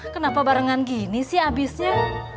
kenapa barengan gini sih habisnya